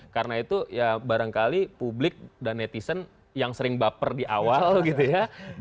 karena itu ya barangkali publik dan netizen yang sering baper di awal gitu ya